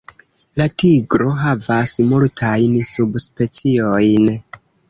La tigro havas multajn subspeciojn.